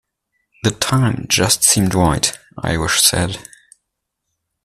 "The time just seemed right," Irish said.